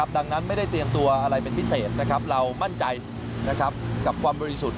ดังนั้นไม่ได้เตรียมตัวอะไรเป็นพิเศษเรามั่นใจกับความบริสุทธิ์